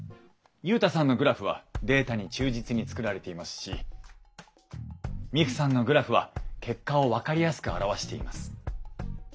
ユウタさんのグラフはデータに忠実に作られていますしミクさんのグラフは結果を分かりやすく表しています。